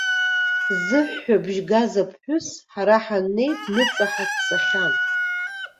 Зыҳәҳәабжь газ аԥҳәыс, ҳара ҳаннеи, дныҵаҳа дцахьан.